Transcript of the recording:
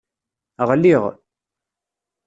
Ɣliɣ